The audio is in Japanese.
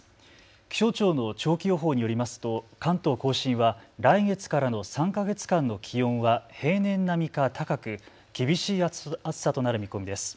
気象庁の長期予報によりますと関東甲信は来月からの３か月間の気温は平年並みか高く厳しい暑さとなる見込みです。